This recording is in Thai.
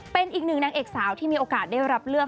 เป็นอีกหนึ่งนางเอกสาวที่มีโอกาสได้รับเลือก